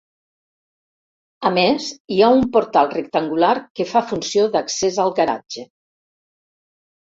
A més, hi ha un portal rectangular que fa funció d’accés al garatge.